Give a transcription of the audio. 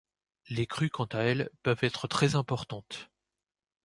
Les crues quant à elles, peuvent être très importantes.